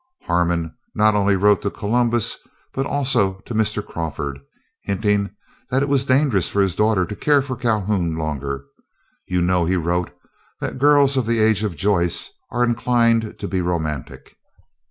Harmon not only wrote to Columbus, but also to Mr. Crawford, hinting that it was dangerous for his daughter to care for Calhoun longer. "You know," he wrote, "that girls of the age of Joyce are inclined to be romantic."